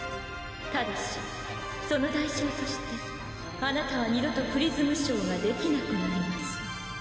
ただしその代償としてあなたは二度とプリズムショーができなくなります。